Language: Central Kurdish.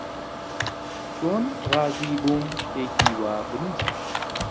چۆن ڕازی بووم شتێکی وا بنووسم؟